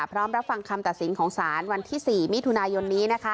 พร้อมรับฟังคำตัดสินของศาลวันที่๔มิถุนายนนี้